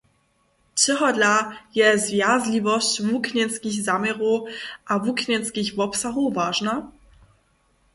Čehodla je zawjazliwosć wuknjenskich zaměrow a wuknjenskich wobsahow wažna?